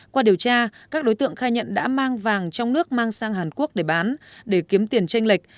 qua điều tra các đối tượng khai nhận đã mang vàng trong nước mang sang hàn quốc để bán để kiếm tiền tranh lệch